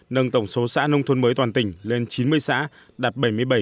nâng tổng số xã nông thôn mới toàn tỉnh lên chín mươi xã đạt bảy mươi bảy